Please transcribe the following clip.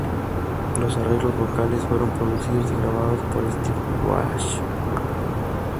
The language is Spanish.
Los arreglos vocales fueron producidos y grabados por Steve Walsh.